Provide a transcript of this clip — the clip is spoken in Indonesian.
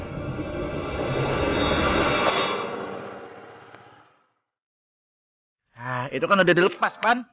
nah itu kan udah dilepas pan